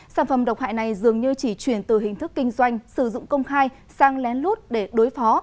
sản phẩm độc hại này dường như chỉ chuyển từ hình thức kinh doanh sử dụng công khai sang lén lút để đối phó